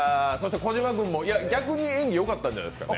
小島君、逆に演技よかったんじゃないですかね。